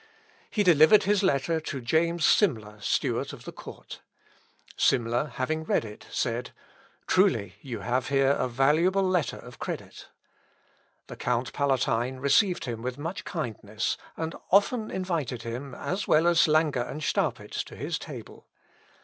He delivered his letter to James Simler, steward of the court. Simler having read it, said, "Truly you have here a valuable letter of credit." The Count Palatine received him with much kindness, and often invited him, as well as Lange and Staupitz, to his table.